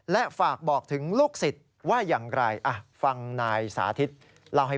และฝากบอกถึงลูกศิษย์ว่าอย่างไร